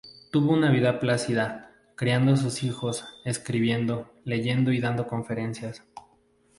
Tuvo una vida plácida, criando sus hijos, escribiendo, leyendo y dando conferencias.